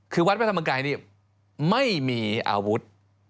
คือวัดพระธรรมกายนี่ไม่มีอาวุธ